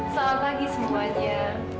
selamat pagi semuanya